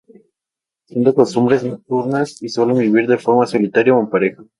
Son de costumbres nocturnas y suelen vivir de forma solitaria o en pareja.